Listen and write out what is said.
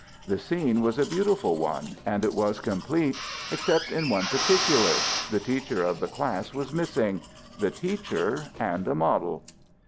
The scene was a beautiful one, and it was complete except in one particular: the teacher of the class was missing the teacher and a model.